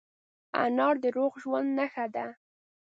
انار د روغ ژوند نښه ده.